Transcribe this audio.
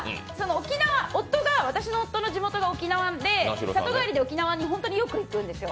私の夫の地元が沖縄で、里帰りで沖縄によく行くんですよ。